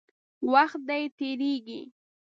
وخت دی، تېرېږي.